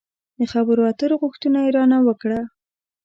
د خبرو اترو غوښتنه يې را نه وکړه.